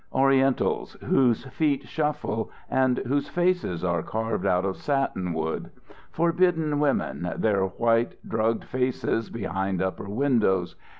Orientals, whose feet shuffle and whose faces are carved out of satinwood. Forbidden women, their white, drugged faces behind upper windows.